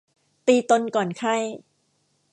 ตีตนก่อนไข้